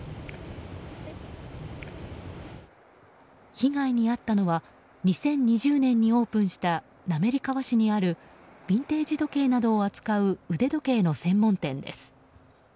被害に遭ったのは２０２０年にオープンした滑川市にあるビンテージ時計などを扱う腕時計の専門店です。